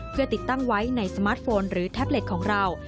เพื่อติดตั้งไว้ในสมาร์ทโฟนหรือแท็บเล็ตของเรา